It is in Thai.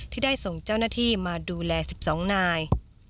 ที่ได้ส่งเจ้าหน้าที่มาดูแล๑๒นาย